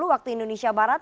waktu indonesia barat